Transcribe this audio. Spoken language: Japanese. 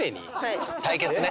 対決ね。